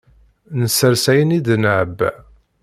Nessers ayen id-nɛebba.